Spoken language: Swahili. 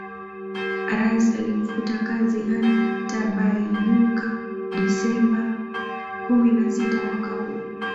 Rais alimfuta kazi Anna Tibaijuka Desemba kumi na sita mwaka huu